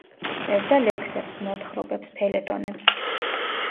წერდა ლექსებს, მოთხრობებს, ფელეტონებს.